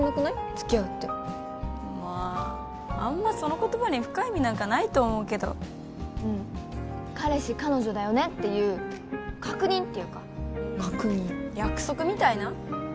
付き合うってまああんまその言葉に深い意味なんかないと思うけどうん彼氏彼女だよねっていう確認っていうか確認約束みたいな？